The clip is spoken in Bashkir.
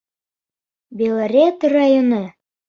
Белорет районы.